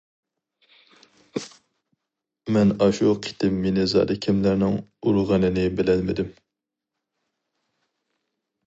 مەن ئاشۇ قېتىم مېنى زادى كىملەرنىڭ ئۇرغىنىنى بىلەلمىدىم.